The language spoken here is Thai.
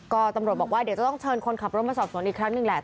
ก็ตำรวจบอกว่าเดี๋ยวจะต้องเชิญคนขับรถมาสอบสวนอีกครั้งหนึ่งแหละ